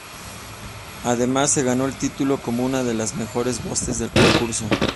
Además se ganó el título, como una de las mejores voces del concurso.